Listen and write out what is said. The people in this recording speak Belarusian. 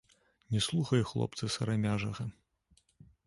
Не слухае хлопца сарамяжага.